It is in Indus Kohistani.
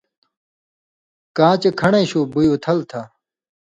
کاں چے کھن٘ڑیں شُو بُوئ اُتھل تھہ۔